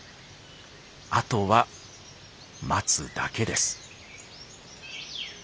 あとは待つだけです。